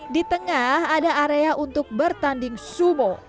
di tengah ada area untuk bertanding sumo